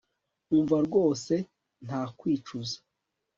umva rwose nta kwicuza